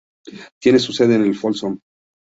Tiene su sede en Folsom.